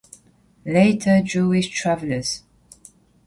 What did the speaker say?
Later Jewish Travelers.